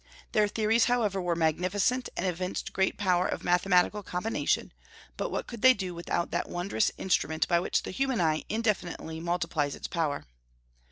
Their theories however were magnificent, and evinced great power of mathematical combination; but what could they do without that wondrous instrument by which the human eye indefinitely multiplies its power?